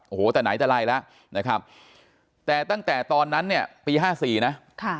โอ้โหแต่ไหนแต่ไรแล้วนะครับแต่ตั้งแต่ตอนนั้นเนี่ยปี๕๔นะค่ะ